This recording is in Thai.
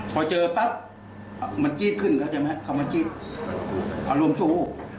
พอเจอปั๊บมันจี๊ดขึ้นครับใช่ไหมมันมาจี๊ดรวมสู้